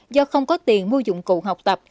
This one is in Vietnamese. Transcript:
do không có tiền mua dụng cụ học tập